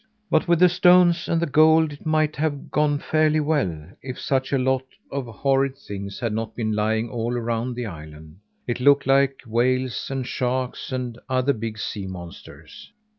But with the stones and the gold it might have gone fairly well, if such a lot of horrid things had not been lying all around the island. It looked like whales and sharks and other big sea monsters.